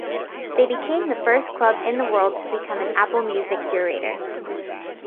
They became the first Club in the world to become an Apple Music Curator.